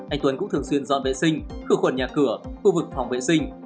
anh tuấn cũng thường xuyên dọn vệ sinh khử khuẩn nhà cửa khu vực phòng vệ sinh